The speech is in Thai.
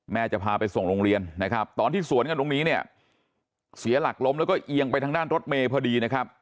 จะพาไปส่งโรงเรียนนะครับตอนที่สวนกันตรงนี้เนี่ยเสียหลักล้มแล้วก็เอียงไปทางด้านรถเมย์พอดีนะครับ